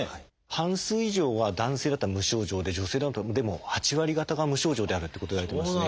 半数以上は男性だったら無症状で女性でも８割方が無症状であるということがいわれてますね。